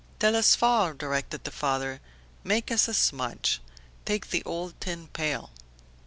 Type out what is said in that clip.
"Telesphore," directed the father, "make us a smudge. Take the old tin pail."